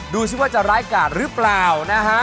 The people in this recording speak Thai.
ดูสิว่าจะร้ายกาดหรือเปล่านะฮะ